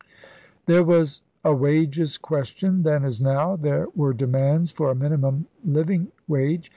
There was a wages question then as now. There were demands for a minimum living wage.